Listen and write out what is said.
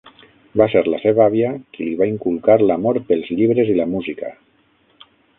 Va ser la seva àvia qui li va inculcar l'amor pels llibres i la música.